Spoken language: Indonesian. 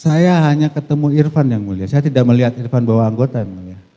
saya hanya ketemu irfan yang mulia saya tidak melihat irfan bawa anggota yang mulia